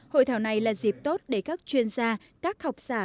hội thảo này là dịp tốt để các chuyên gia các học giả